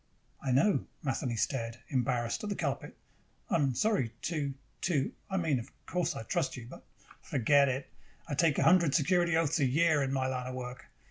"I know." Matheny stared, embarrassed, at the carpet. "I'm sorry to to I mean of course I trust you, but " "Forget it. I take a hundred security oaths a year, in my line of work.